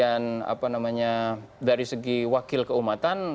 bisa jadi presiden dan kemudian dari segi wakil keumatan